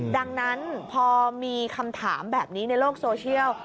ดังนั้นพอมีคำถามแบบนี้ในโลกโซเชียล